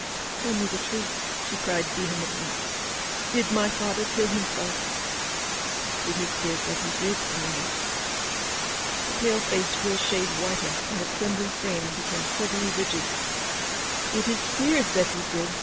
165 "Tell me the truth," she cried vehemently, " did my father kill himself ? w " It is feared that he did, Eleanor." The pale face grew a shade whiter, and the trembling frame became suddenly rigid. " It is feared that he did !